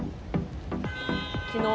きのう